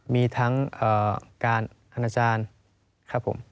มีทั้งการอาจารย์